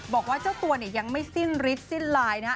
บอกว่าเจ้าตัวเนี่ยยังไม่สิ้นฤทธิสิ้นลายนะฮะ